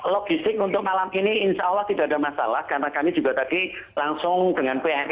logistik untuk malam ini insya allah tidak ada masalah karena kami juga tadi langsung dengan pne dan bnp ya